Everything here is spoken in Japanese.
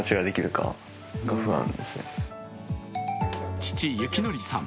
父・幸則さん